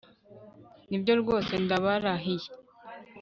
Nibyo rwose Ndabarahiye